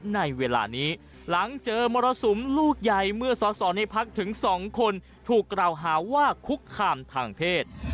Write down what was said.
ในเวลานี้หลังเจอมรสุมลูกใหญ่เมื่อสอสอในพักถึง๒คนถูกกล่าวหาว่าคุกคามทางเพศ